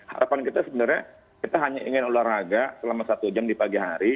harapan kita sebenarnya kita hanya ingin olahraga selama satu jam di pagi hari